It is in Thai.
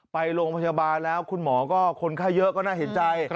ไปโรงพยาบาลแล้วคุณหมอก็คนไข้เยอะก็น่าเห็นใจ